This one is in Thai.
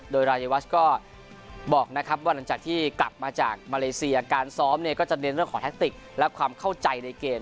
โดยรายวัชก็บอกนะครับว่าหลังจากที่กลับมาจากมาเลเซียการซ้อมเนี่ยก็จะเน้นเรื่องของแทคติกและความเข้าใจในเกม